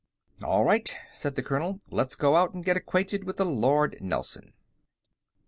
"All right," said the colonel. "Let's go out and get acquainted with the Lord Nelson."